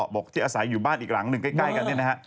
บอกที่อาศัยอยู่บ้านอีกหลังหนึ่งใกล้กันเนี่ยนะฮะ